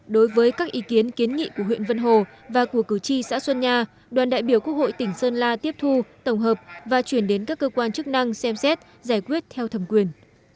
đối với các ý kiến kiến nghị của huyện vân hồ và của cử tri xã xuân nha đoàn đại biểu quốc hội tỉnh sơn la tiếp thu tổng hợp và chuyển đến các cơ quan chức năng xem xét giải quyết theo thẩm quyền